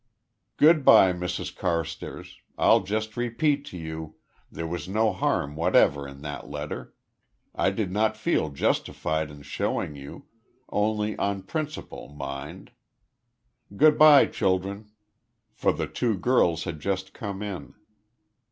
"Good bye, Mrs Carstairs. I'll just repeat to you. There was no harm whatever in that letter. I did not feel justified in showing you only on principle, mind. Good bye, children." For the two girls had just come in.